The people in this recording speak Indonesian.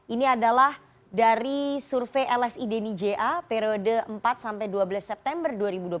ini adalah dari survei lsi deni ja periode empat sampai dua belas september dua ribu dua puluh satu